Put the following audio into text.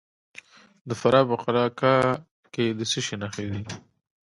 د فراه په قلعه کاه کې د څه شي نښې دي؟